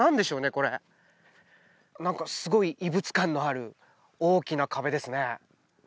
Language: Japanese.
これ何かすごい異物感のある大きな壁ですね